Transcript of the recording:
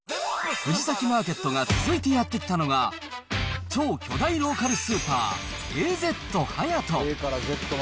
藤崎マーケットが続いてやって来たのは、超巨大ローカルスーパー、ＡーＺはやと。